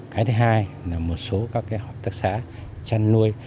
cái thứ hai là một số các hợp tác xã chăn nuôi